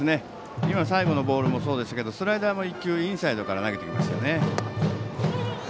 最後のボールもそうですがスライダーも１球インサイドから投げてきましたね。